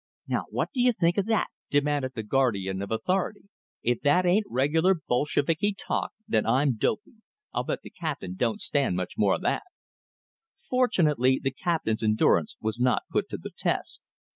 "Now what do you think o' that?" demanded the guardian of authority. "If that ain't regular Bolsheviki talk, then I'm dopy. I'll bet the captain don't stand much more of that." Fortunately the captain's endurance was not put to the test.